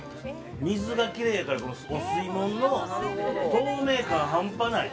水がきれいやからお吸い物の透明感半端ない。